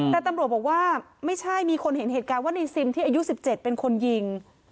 แต่ตำรวจบอกว่าไม่ใช่มีคนเห็นเหตุการณ์ว่าในซิมที่อายุ๑๗เป็นคนยิง